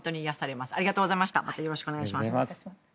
またよろしくお願いします。